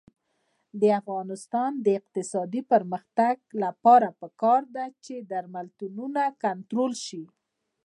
د افغانستان د اقتصادي پرمختګ لپاره پکار ده چې درملتونونه کنټرول شي.